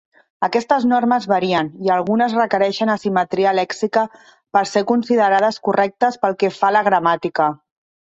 Aquestes normes varien, i algunes requereixen asimetria lèxica per ser considerades correctes pel que fa a la gramàtica.